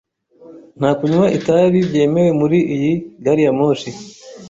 Nta kunywa itabi byemewe muri iyi gariyamoshi .